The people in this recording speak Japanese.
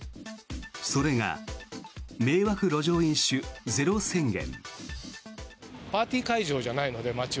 それが迷惑路上飲酒ゼロ宣言。